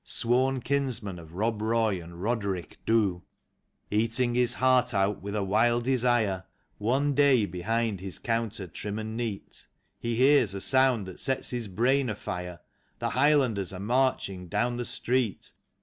Sworn kinsman of Eob Roy and Roderick Dhu. Eating his heart out with a wild desire, One day, behind his counter trim and neat. He hears a sound that sets his brain afire — The Highlanders are marching down the street.